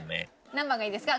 何番がいいですか？